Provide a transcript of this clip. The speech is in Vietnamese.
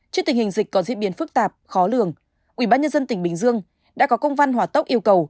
trước tình hình dịch có diễn biến phức tạp khó lường ubnd tỉnh bình dương đã có công văn hỏa tốc yêu cầu